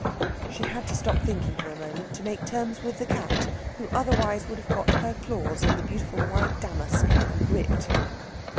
She had to stop thinking for a moment, to make terms with the cat, who otherwise would have got her claws in the beautiful white damask, and ripped.